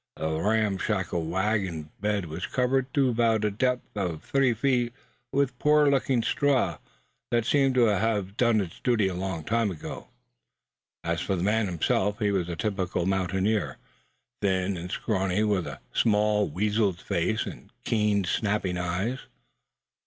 The ramshackle wagon bed was covered to about the depth of three feet with poor looking straw, that seemed to have done duty a long time. As for the man himself, he was a typical mountaineer, thin and scrawny, with a small, weasened face, and keen, snapping eyes.